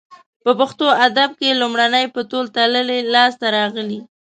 په پښتو ادب کې لومړنۍ په تول تللې لاسته راغلې